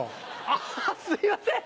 あっすいません